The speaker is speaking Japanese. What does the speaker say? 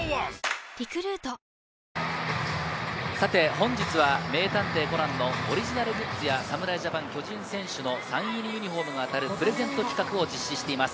本日は『名探偵コナン』のオリジナルグッズや、侍ジャパン、巨人選手のサイン入りユニホームが当たるプレゼント企画を実施しています。